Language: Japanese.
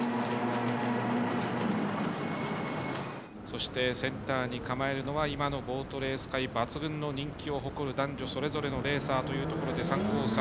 そしてセンターに構えるのは今のボートレース界抜群の人気を誇る男女それぞれのレーサーというところで３コース